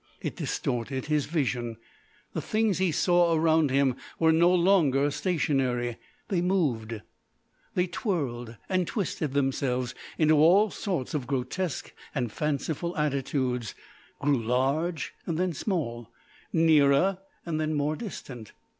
It distorted his vision. The things he saw around him were no longer stationary they moved. They twirled and twisted themselves into all sorts of grotesque and fanciful attitudes; grew large, then small; nearer and then more distant.